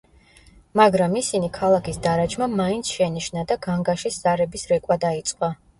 მაგრამ ისინი ქალაქის დარაჯმა მაინც შენიშნა და განგაშის ზარების რეკვა დაიწყო.